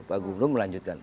pak gubernur melanjutkan